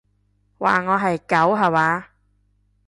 話我係狗吓話？